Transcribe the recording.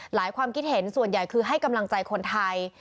ความคิดเห็นส่วนใหญ่คือให้กำลังใจคนไทย